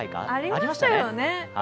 ありましたよね。